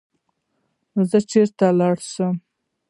نو زۀ چرته لاړ شم ـ